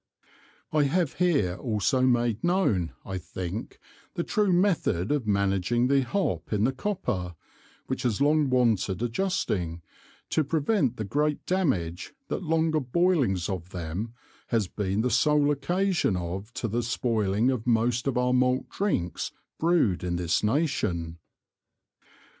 I have here also made known, I think, the true Method of managing the Hop in the Copper, which has long wanted adjusting, to prevent the great damage that longer boilings of them has been the sole occasion of to the spoiling of most of our malt Drinks brewed in this Nation.